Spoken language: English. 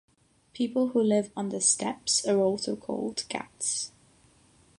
People who live on the steps are also called ghats.